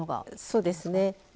そうですね。